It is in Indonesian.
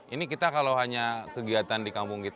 ini kita kalau hanya kegiatan di kampung kita